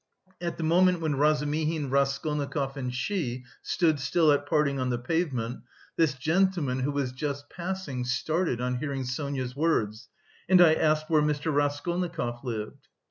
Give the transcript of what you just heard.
At the moment when Razumihin, Raskolnikov, and she stood still at parting on the pavement, this gentleman, who was just passing, started on hearing Sonia's words: "and I asked where Mr. Raskolnikov lived?"